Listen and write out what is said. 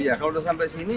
iya kalau udah sampai sini